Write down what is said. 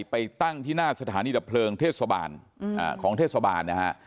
ไปตั้งที่หน้าสถานีดับเพลิงเทศบาลของเทศบาลนะฮะ